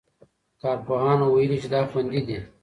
کارپوهانو ویلي چې دا خوندي دی.